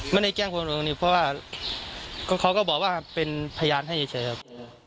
ไม่ใช่ผู้กรณีครับเขาก็บอกว่าเป็นพยานให้เฉยครับ